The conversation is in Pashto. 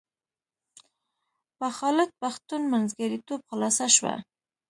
په خالد پښتون منځګړیتوب خلاصه شوه.